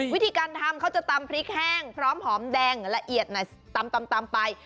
วิธีการทำเขาจะตำพริกแห้งพร้อมหอมแดงละเอียดตำไป